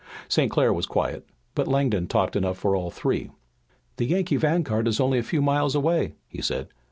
St. Clair was quiet, but Langdon talked enough for all three. "The Yankee vanguard is only a few miles away," he said.